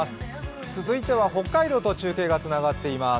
続いては北海道と中継がつながっています。